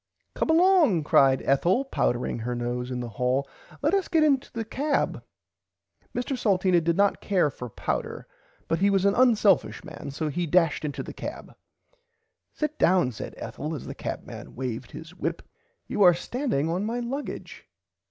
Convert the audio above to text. Come along cried Ethel powdering her nose in the hall let us get into the cab. Mr [Pg 29] Salteena did not care for powder but he was an unselfish man so he dashed into the cab. Sit down said Ethel as the cabman waved his whip you are standing on my luggage.